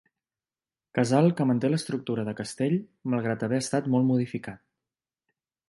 Casal que manté l'estructura de castell malgrat haver estat molt modificat.